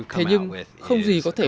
thế nhưng không gì có thể